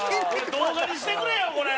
動画にしてくれよこれ！